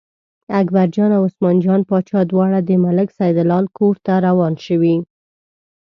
اکبرجان او عثمان جان باچا دواړه د ملک سیدلال کور ته روان شول.